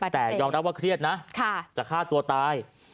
แต่ยอมรับว่าเครียดนะจะฆ่าตัวตาย